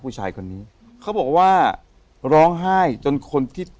ผู้ชายคนนี้เขาบอกว่าร้องไห้